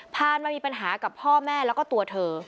พานมามีปัญหากับพ่อแม่แล้วก็ตัวเธอ